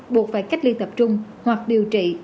buộc phải cách ly tập trung hoặc điều trị